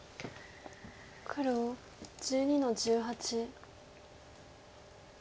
黒１２の十八。